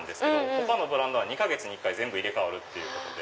他のブランドは２か月に１回全部入れ替わるっていうことで。